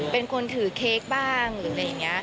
เป็นคนถือเค้กบ้างหรืออะไรอย่างนี้